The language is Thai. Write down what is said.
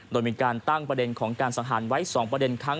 โดยมีการตั้งประเด็นของการสังหารไว้๒ประเด็นครั้ง